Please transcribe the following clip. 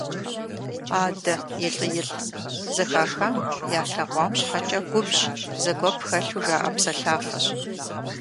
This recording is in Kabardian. «Адэ илӏи-илӏ» - зэхахам, ялъэгъуам щхьэкӀэ губжь, зэгуэп хэлъу жаӀэ псэлъафэщ.